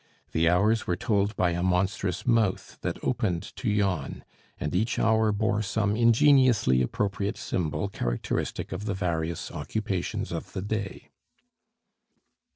The hours were told by a monstrous mouth that opened to yawn, and each Hour bore some ingeniously appropriate symbol characteristic of the various occupations of the day.